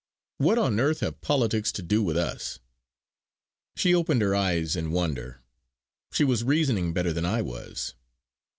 What on earth have politics to do with us?" She opened her eyes in wonder; she was reasoning better than I was.